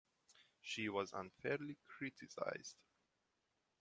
She was unfairly criticised